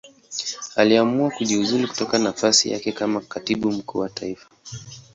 Aliamua kujiuzulu kutoka nafasi yake kama Katibu Mkuu wa Taifa.